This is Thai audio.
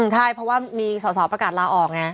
ใช่เพราะว่ามีสอสอประกาศลาออกไง